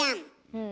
うん。